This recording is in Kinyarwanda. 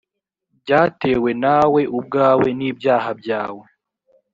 byatewe nawe ubwawe n’ ibyaha byawe